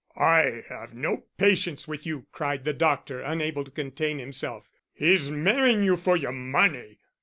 "I have no patience with you," cried the doctor, unable to contain himself. "He's marrying you for your money."